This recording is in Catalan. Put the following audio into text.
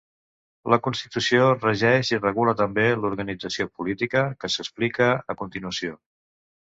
La constitució regeix i regula també l'organització política què s'explica a continuació.